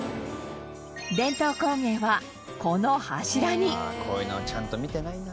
伝統工芸は、この柱にウエンツ：こういうのちゃんと見てないな。